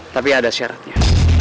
tapi ada syaratnya